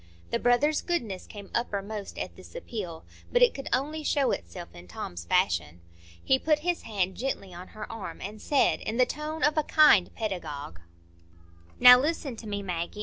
The brother's goodness came uppermost at this appeal, but it could only show itself in Tom's fashion. He put his hand gently on her arm, and said, in the tone of a kind pedagogue,— "Now listen to me, Maggie.